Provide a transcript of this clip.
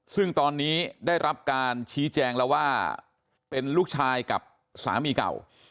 ซึ่งตอนนี้ได้รับการชี้แจงแล้วว่าเป็นลูกชายกับสามีเก่า